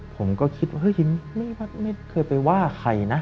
ผมก็คิดว่าเฮ้ยไม่เคยไปว่าใครนะ